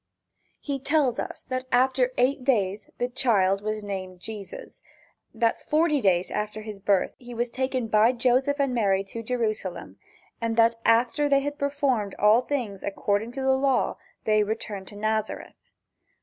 He tells us that after eight days the child was named, Jesus; that forty days after his birth he was taken by Joseph and Mary to Jerusalem, and that after they had performed all things according to the law they returned to Nazareth.